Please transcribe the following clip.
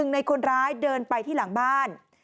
ในคนร้ายเดินไปที่หลังบ้าน